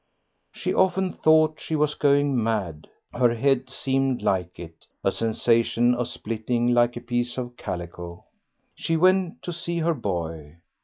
She often thought she was going mad her head seemed like it a sensation of splitting like a piece of calico.... She went to see her boy.